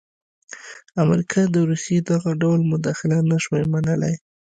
امریکا د روسیې دغه ډول مداخله نه شوای منلای.